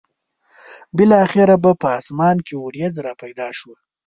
بالاخره به په اسمان کې ورېځ را پیدا شوه.